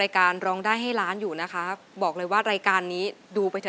ขอบคุณครับ